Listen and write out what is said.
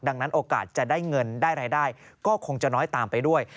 ดังนั้นโอกาสจะได้เงินได้รายได้ก็คงจะน้อยตามไปด้วย